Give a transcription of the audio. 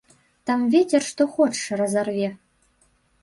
Там вецер што хочаш разарве.